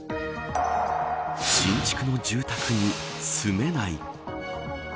新築の住宅に住めない。